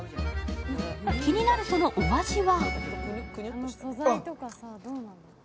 気になるそのお味は？